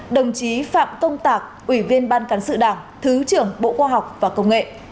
đồng chí phạm công tạc ủy viên ban cán sự đảng thứ trưởng bộ khoa học và công nghệ